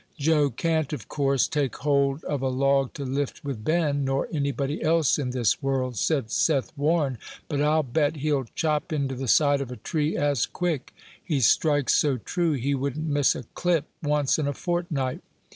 "Joe can't, of course, take hold of a log to lift with Ben, nor anybody else in this world," said Seth Warren; "but I'll bet he'll chop into the side of a tree as quick; he strikes so true, he wouldn't miss a clip once in a fortnight.